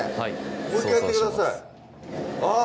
もう１回やってくださいあっ